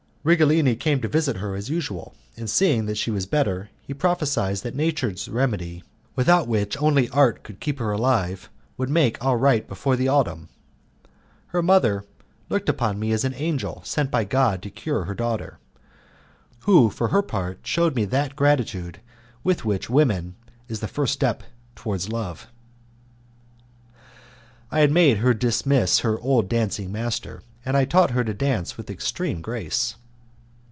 Righelini came to visit her as usual, and seeing that she was better he prophesied that nature's remedy, without which only art could keep her alive, would make all right before the autumn. Her mother looked upon me as an angel sent by God to cure her daughter, who for her part shewed me that gratitude which with women is the first step towards love. I had made her dismiss her old dancing master, and I had taught her to dance with extreme grace.